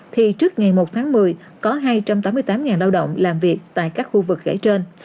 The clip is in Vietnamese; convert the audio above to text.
thì trước ngày một tháng một mươi có hai trăm tám mươi tám lao động làm việc tại các khu vực gãi trên